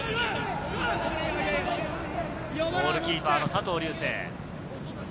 ゴールキーパーの佐藤瑠星。